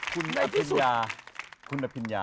คุณอภิญญาคุณอภิญญา